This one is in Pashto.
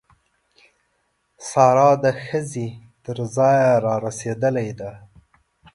سارا د ښځې تر ځایه رسېدلې ده.